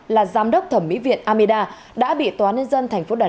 là giám đốc thẩm mỹ viện amida đã bị tòa nên dân thành phố đà nẵng